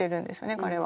彼は。